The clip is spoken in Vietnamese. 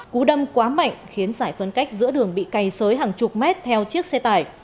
cú đâm quá mạnh khiến giải phân cách giữa đường bị cày sới hàng chục mét theo chiếc xe tải